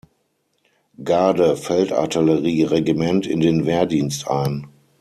Garde-Feldartillerie-Regiment in den Wehrdienst ein.